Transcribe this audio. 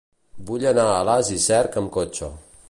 Vull anar a Alàs i Cerc amb cotxe.